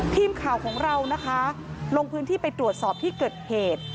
ทีมข่าวของเรานะคะลงพื้นที่ไปตรวจสอบที่เกิดเหตุ